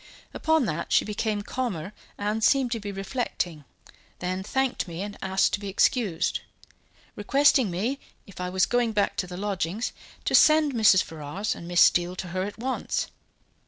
Upon that, she became calmer and seemed to be reflecting, then thanked me and asked to be excused, requesting me, if I was going back to the lodgings, to send Mrs. Ferrars and Miss Steele to her at once.